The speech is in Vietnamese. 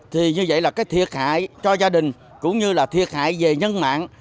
thì như vậy là cái thiệt hại cho gia đình cũng như là thiệt hại về nhân mạng